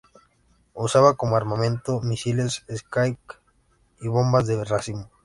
Usaba como armamento misiles Shrike y bombas de racimo.